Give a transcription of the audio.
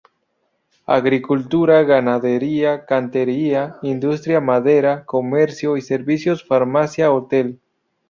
Agricultura, ganadería, cantería, industria maderera, comercio y servicios, farmacia, hotel.